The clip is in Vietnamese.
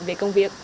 về công việc